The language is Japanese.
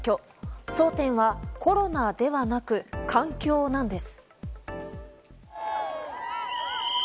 争点はコロナではなく環境なんです。